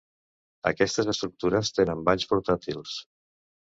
Aquestes estructures tenen banys portàtils.